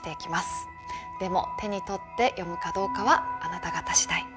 でも手に取って読むかどうかはあなた方次第。